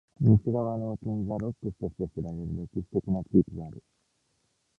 西側の沖に、The Rocks として知られる歴史的な地域がある。